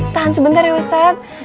tahan sebentar ya